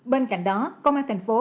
bên cạnh đó công an thành phố